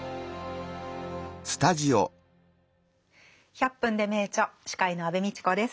「１００分ｄｅ名著」司会の安部みちこです。